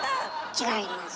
違います。